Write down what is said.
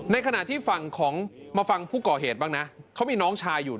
ในขณะที่ฝั่งของมาฟังผู้ก่อเหตุบ้างนะเขามีน้องชายอยู่